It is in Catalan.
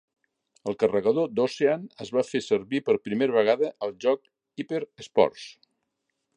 El carregador d'Ocean es va fer servir per primera vegada al joc "Hyper Sports".